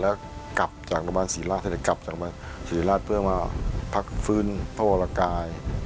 แล้วก็กลับจากโรงพยาบาลศิราชมาพักฟื้นพระพลกาย